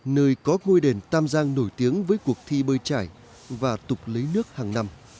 nơi có ngôi đền tam giang nổi tiếng với cuộc thi bơi trải và tục lấy nước hàng năm